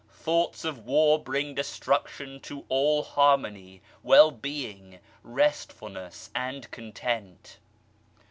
Thoughts of War bring destruction to all harmony, well being, restfulness and content.